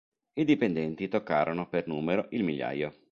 I dipendenti toccarono, per numero, il migliaio.